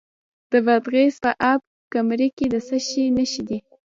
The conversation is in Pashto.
د بادغیس په اب کمري کې د څه شي نښې دي؟